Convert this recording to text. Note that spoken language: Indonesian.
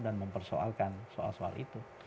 dan mempersoalkan soal soal itu